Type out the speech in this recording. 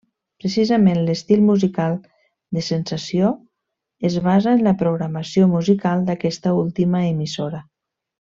Precisament l'estil musical de Sensació es basa en la programació musical d'aquesta última emissora.